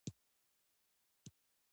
کندهار د افغانستان د طبیعت د ښکلا برخه ده.